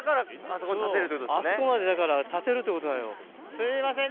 あそこまでだから立てるってことなんよ。